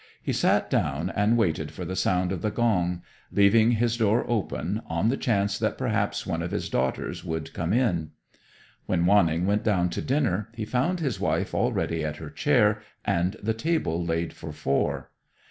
He sat down and waited for the sound of the gong, leaving his door open, on the chance that perhaps one of his daughters would come in. When Wanning went down to dinner he found his wife already at her chair, and the table laid for four.